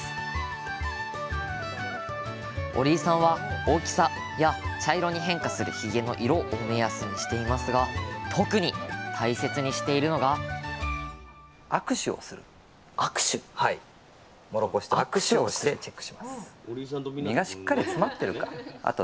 折井さんは大きさや茶色に変化するひげの色を目安にしていますが特に大切にしているのが手の感触だけで分かるのか？